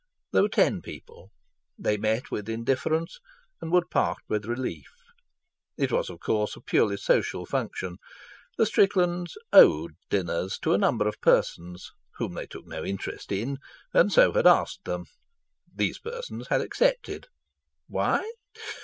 There were ten people. They met with indifference, and would part with relief. It was, of course, a purely social function. The Stricklands "owed" dinners to a number of persons, whom they took no interest in, and so had asked them; these persons had accepted. Why?